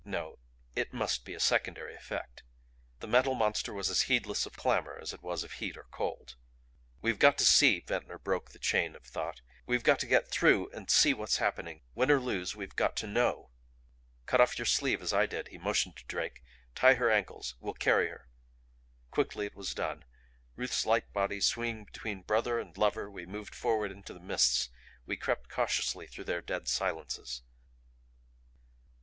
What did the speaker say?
No it must be a secondary effect. The Metal Monster was as heedless of clamor as it was of heat or cold "We've got to see," Ventnor broke the chain of thought. "We've got to get through and see what's happening. Win or lose we've got to KNOW." "Cut off your sleeve, as I did," he motioned to Drake. "Tie her ankles. We'll carry her." Quickly it was done. Ruth's light body swinging between brother and lover, we moved forward into the mists; we crept cautiously through their dead silences.